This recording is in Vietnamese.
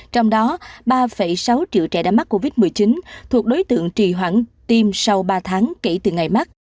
trong đó ba sáu triệu trẻ đã mắc covid một mươi chín thuộc đối tượng trì hoãn tiêm sau ba tháng kể từ ngày mắc